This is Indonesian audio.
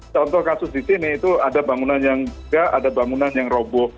contoh kasus di sini itu ada bangunan yang juga ada bangunan yang roboh